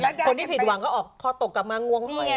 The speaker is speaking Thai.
คนที่ผิดหวังเขาออกขอตกกลับมาง่วงจะบกทำอะไร